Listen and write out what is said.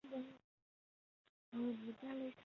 淳佑六年各界会子共计六亿五千万贯。